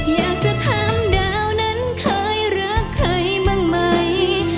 อยากจะถามดาวนั้นเคยรักใครบ้างไหม